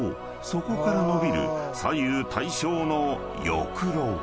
［そこから伸びる左右対称の翼廊］